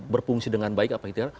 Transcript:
berfungsi dengan baik apa itu ya